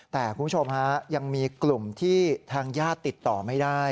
แต่คุณผู้ชมฮะยังมีกลุ่มที่ทางญาติติดต่อไม่ได้